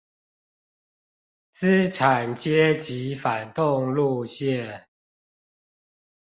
資產階級反動路線